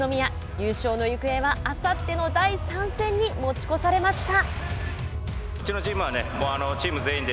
優勝の行方はあさっての第３戦に持ち越されました。